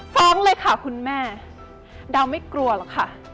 ฟ้องเลยค่ะคุณแม่ดาวไม่กลัวหรอกค่ะ